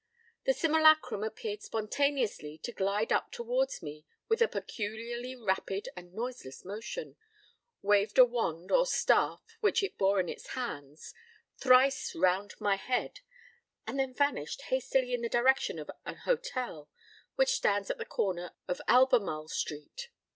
The simulacrum appeared spontaneously to glide up towards me with a peculiarly rapid and noiseless motion, waved a wand or staff which it bore in its hands thrice round my head, and then vanished hastily in the direction of an hotel which stands at the corner of Albemarle Street.